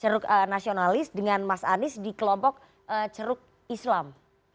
ceruk nasionalis dengan mas anies di kelompok ceruk islam